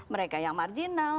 mereka yang marginal